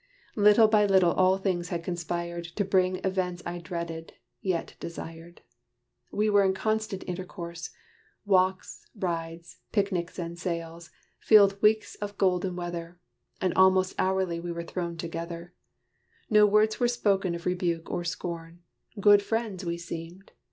Little by little all things had conspired, To bring events I dreaded, yet desired. We were in constant intercourse: walks, rides, Picnics and sails, filled weeks of golden weather, And almost hourly we were thrown together. No words were spoken of rebuke or scorn: Good friends we seemed.